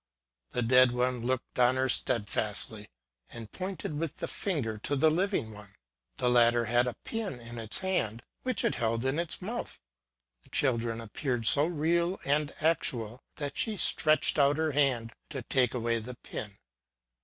The dead one looked on her steadfastly, and pointed with the finger to the living one. The latter had a pin in its hand, which it held in its mouth. The children ap peared so real and actual, that she stretched out her hand to take away the pin.